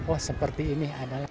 oh seperti ini